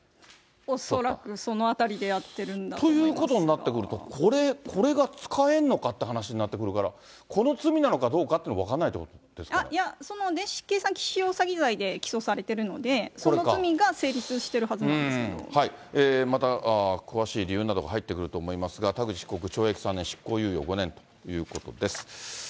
恐らくそのあたりでやってるんだと思いますが。ということになってくると、これが使えるのかって話になってくるから、この罪なのかどうかというのは分かんないといや、その電子計算機使用詐欺罪で起訴されてるので、その罪が成立してまた詳しい理由などが入ってくると思いますが、田口被告、懲役３年、執行猶予５年ということです。